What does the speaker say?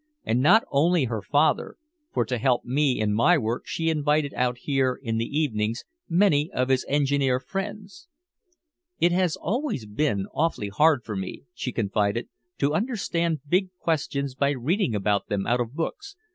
And not only her father for to help me in my work she invited out here in the evenings many of his engineer friends. "It has always been awfully hard for me," she confided, "to understand big questions by reading about them out of books.